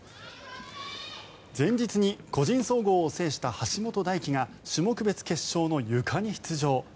前日に個人総合を制した橋本大輝が種目別決勝のゆかに出場。